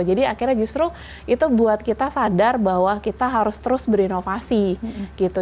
jadi akhirnya justru itu buat kita sadar bahwa kita harus terus berinovasi gitu